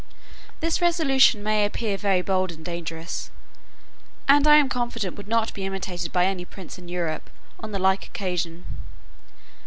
This resolution perhaps may appear very bold and dangerous, and I am confident would not be imitated by any prince in Europe on the like occasion.